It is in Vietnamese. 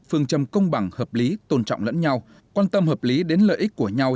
phương châm công bằng hợp lý tôn trọng lẫn nhau quan tâm hợp lý đến lợi ích của nhau